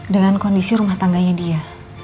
dengan kondisi rumah tangganya dia